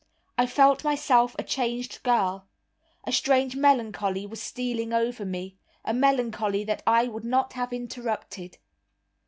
I felt myself a changed girl. A strange melancholy was stealing over me, a melancholy that I would not have interrupted.